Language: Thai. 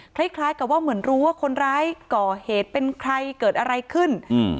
คล้ายคล้ายกับว่าเหมือนรู้ว่าคนร้ายก่อเหตุเป็นใครเกิดอะไรขึ้นอืม